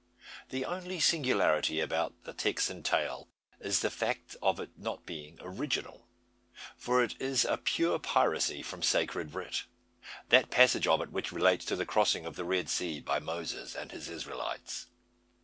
The only singularity about the Texan tale is the fact of its not being original; for it is a pure piracy from Sacred Writ that passage of it which relates to the crossing of the Red Sea by Moses and his Israelites.